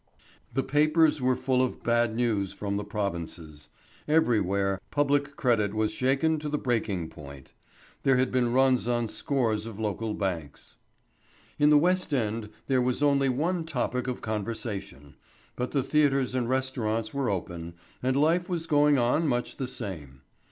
The papers were full of bad news from the provinces. Everywhere public credit was shaken to breaking point. There had been runs on scores of local banks. In the West End there was only one topic of conversation. But the theatres and restaurants were open, and life was going on much the same.